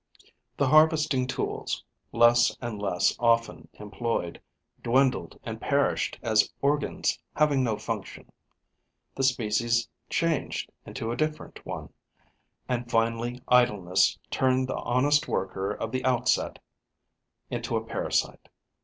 The harvesting tools, less and less often employed, dwindled and perished as organs having no function; the species changed into a different one; and finally idleness turned the honest worker of the outset into a parasite.